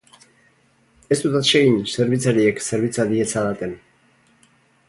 Ez dut atsegin zerbitzariek zerbitza diezadaten.